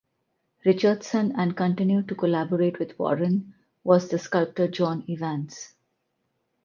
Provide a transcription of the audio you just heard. Richardson and continued to collaborate with Warren was the sculptor John Evans.